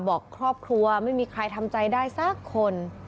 บอกครอบครัวไม่มีใครทำใจได้สักคน